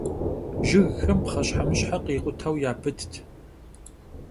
Jjıgxem pxheşhemışhe khikhuteu yapıtt.